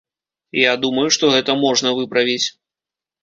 Я думаю, што гэта можна выправіць.